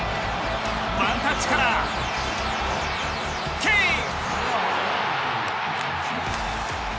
ワンタッチからケイン！